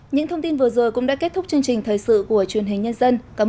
những thông tin vừa rồi cũng đã kết thúc chương trình thời sự của truyền hình nhân dân cảm